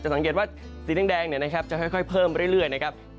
จะสังเกตว่าสีแดงเนี่ยนะครับจะค่อยเพิ่มเรื่อยนะครับ